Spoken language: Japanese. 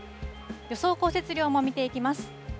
予想降雪量も見ていきます。